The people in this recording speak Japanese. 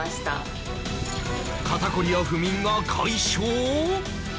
肩こりや不眠が解消？